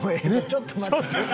ちょっと待って。